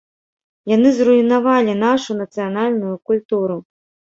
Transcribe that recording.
Яны зруйнавалі нашу нацыянальную культуру.